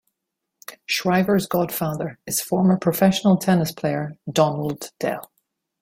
Shriver's godfather is former professional tennis player Donald Dell.